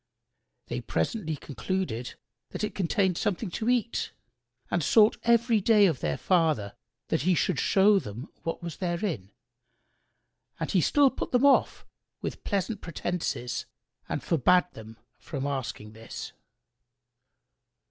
They presently concluded that it contained something to eat and sought every day of their father that he should show them what was therein; and he still put them off with pleasant pretences and forbade them from asking this.